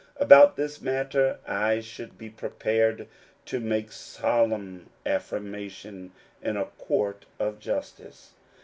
About this matter I should be prepared to make solemn affirmation in a court of justice.